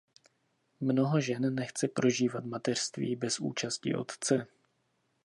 Mnoho žen nechce prožívat mateřství bez účasti otce.